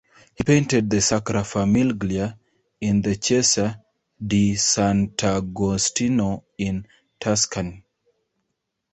He painted the "Sacra Famiglia" in the Chiesa Di Sant'agostino in Tuscany.